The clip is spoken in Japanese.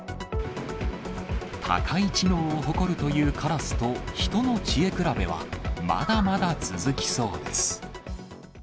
高い知能を誇るというカラスと人の知恵比べは、まだまだ続きそうです。